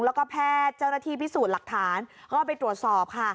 แล้วก็แพทย์เจ้าหน้าที่พิสูจน์หลักฐานก็ไปตรวจสอบค่ะ